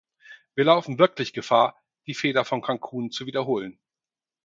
Wir laufen wirklich Gefahr, die Fehler von Cancun zu wiederholen.